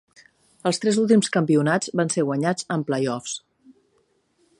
Els tres últims campionats van ser guanyats en playoffs.